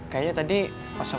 kayaknya tadi pasoknya